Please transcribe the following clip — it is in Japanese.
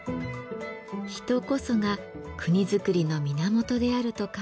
人こそが国づくりの源であると考えた信玄。